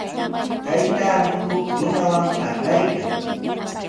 Taytaami huk runawan parlaykan.